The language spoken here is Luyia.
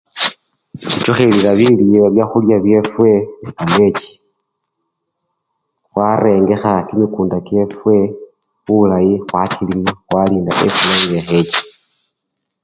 khuchukhilila bilyo byakhulya byefwe nekamechi, khwarengekha kimikunda kyefwe bulayi khwakilima, khalinda efula nga ekheche.